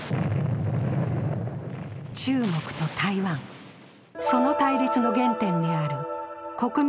中国と台湾、その対立の原点である国民